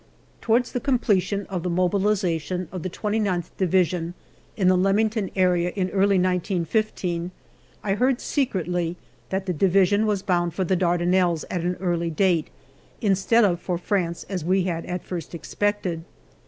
Towards the completion of the mobilization of the 29th Division in the Leamington area in early 1915, I heard secretly that the Division was bound for the Dardanelles at an early date, instead of for France as we had at first expected.